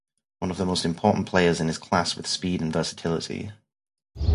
One of the most important players in his class with speed and versatility.